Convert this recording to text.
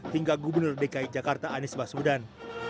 hingga gubernur dki jakarta anies baswedan